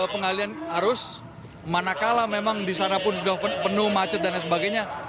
pengalian arus manakala memang disanapun sudah penuh macet dan sebagainya